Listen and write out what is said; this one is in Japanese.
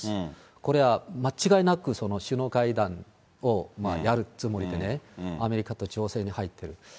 これは間違いなく首脳会談をやるつもりでね、アメリカと調整に入ってる。